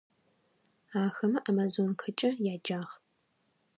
Ахэмэ «Амазонкэкӏэ» яджагъ.